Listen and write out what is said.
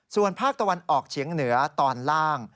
ส่วนภาคตะวันออกเฉียงเหนือตอนล่าง